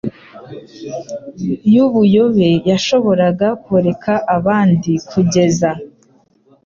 y’ubuyobe yashoboraga koreka abandi, kugeza